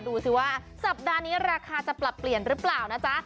ดูสิว่าสัปดาห์นี้ราคาจะปรับเปลี่ยนหรือเปล่านะจ๊ะ